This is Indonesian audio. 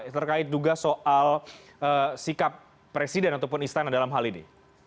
terkait juga soal sikap presiden ataupun istana dalam hal ini